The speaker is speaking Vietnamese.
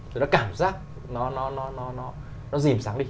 rồi nó cảm giác nó dìm sáng đi